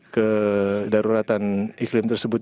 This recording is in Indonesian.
kedaruratan iklim tersebut